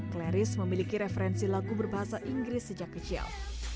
claris memiliki referensi lagu berbahasa inggris sejak kecil